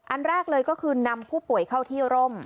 อันแรกเลยก็คือนำผู้ป่วยเข้าที่ร่ม